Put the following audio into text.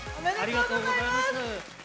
ありがとうございます。